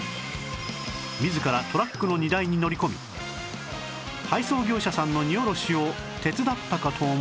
自らトラックの荷台に乗り込み配送業者さんの荷下ろしを手伝ったかと思えば